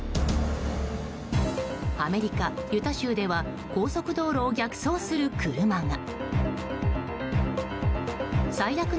アメリカ・ユタ州では高速道路を逆走する車が。